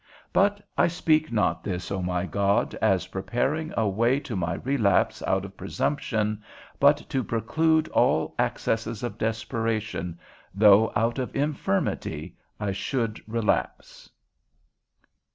But I speak not this, O my God, as preparing a way to my relapse out of presumption, but to preclude all accesses of desperation, though out of infirmity I should relapse.